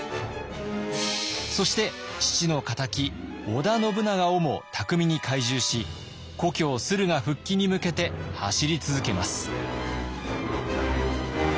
そして父の仇織田信長をも巧みに懐柔し故郷駿河復帰に向けて走り続けます。